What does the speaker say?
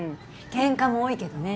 ケンカも多いけどね。